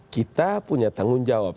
kita punya tanggung jawab